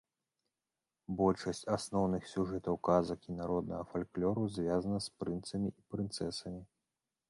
Большасць асноўных сюжэтаў казак і народнага фальклору звязана з прынцамі і прынцэсамі.